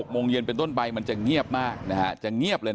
โมงเย็นเป็นต้นไปมันจะเงียบมากจะเงียบเลยนะ